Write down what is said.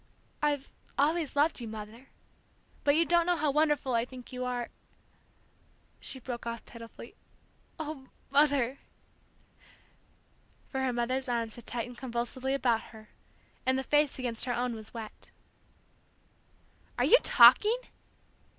"I've always loved you, Mother, but you don't know how wonderful I think you are " She broke off pitifully, "Ah, Mother!" For her mother's arms had tightened convulsively about her, and the face against her own was wet. "Are you talking?"